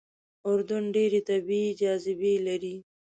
اردن ډېرې طبیعي جاذبې لري.